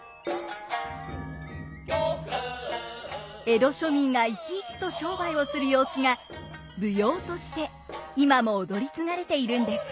江戸庶民がいきいきと商売をする様子が舞踊として今も踊り継がれているんです。